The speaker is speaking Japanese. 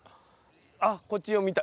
あこっちを見た。